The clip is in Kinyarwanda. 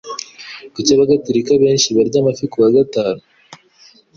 Kuki abagatolika benshi barya amafi kuwa gatanu?